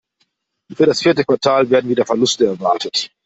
Für das vierte Quartal werden wieder Verluste erwartet.